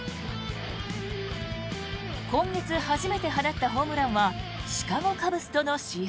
今月初めて放ったホームランはシカゴ・カブスとの試合。